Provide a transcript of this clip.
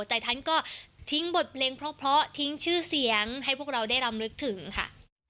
แต่ท่านก็ทิ้งบทเพลงเพราะทิ้งชื่อเสียงให้พวกเราได้รำลึกถึงค่ะ